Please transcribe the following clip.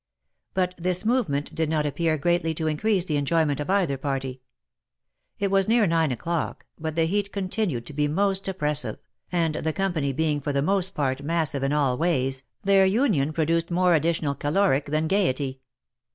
But this movement did not appear greatly to increase the enjoy ment of either party. It was near nine o'clock, but the heat con tinued to be most oppressive, and the company being for the most part massive in all ways, their union produced more additional ca loric than gaiety.